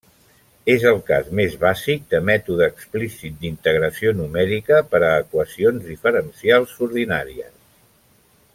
És el cas més bàsic de mètode explícit d'integració numèrica per a equacions diferencials ordinàries.